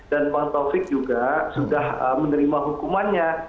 dan bang taufik juga sudah menerima hukumannya